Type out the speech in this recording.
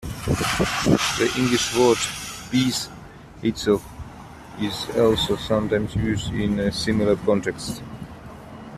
The English word "piece" itself is also sometimes used in a similar context.